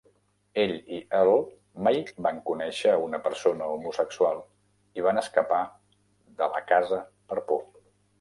Ell i Earl mai van conèixer a una persona homosexual i van escapar de la casa per por.